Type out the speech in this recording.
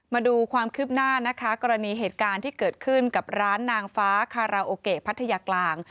มาดูความคืบหน้านะคะกรณีเหตุการณ์ที่เกิดขึ้นกับร้านนางฟ้าคาราโอเกะพัทยากลาง